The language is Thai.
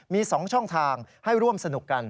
มี๒ช่องทางให้ร่วมสนุกกัน